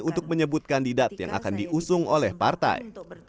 untuk menyebut kandidat yang akan diusung oleh partai